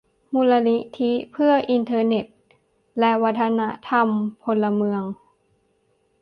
มูลนิธิเพื่ออินเทอร์เน็ตและวัฒนธรรมพลเมือง